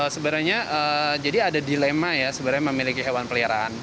sebenarnya jadi ada dilema ya sebenarnya memiliki hewan peliharaan